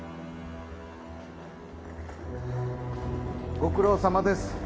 ・ご苦労さまです。